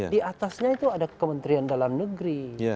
diatasnya itu ada kementerian dalam negeri